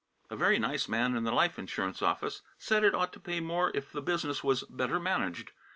A very nice man in the Life Ins. office said it ought to pay more if the business was better managed.